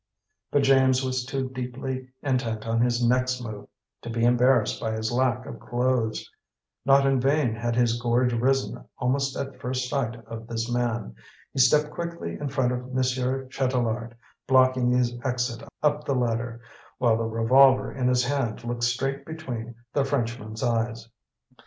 But James was too deeply intent on his next move to be embarrassed by his lack of clothes. Not in vain had his gorge risen almost at first sight of this man. He stepped quickly in front of Monsieur Chatelard, blocking his exit up the ladder, while the revolver in his hand looked straight between the Frenchman's eyes.